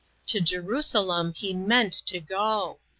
To Je rusalem he meant to go.